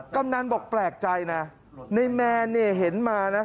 กำนันบอกแปลกใจนะในแมนเนี่ยเห็นมานะ